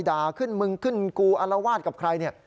ดาขึ้นมึงขึ้นกูอรวาสกับใคร